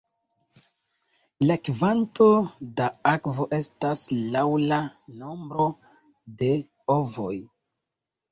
La kvanto da akvo estas laŭ la nombro de ovoj.